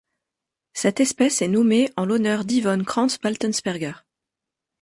Cette espèce est nommée en l'honneur d'Yvonne Kranz-Baltensperger.